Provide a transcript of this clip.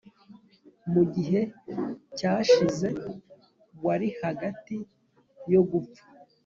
mugihe cyashize wari hagati yogupfa